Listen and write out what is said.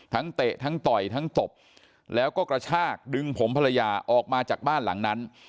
เตะทั้งต่อยทั้งตบแล้วก็กระชากดึงผมภรรยาออกมาจากบ้านหลังนั้น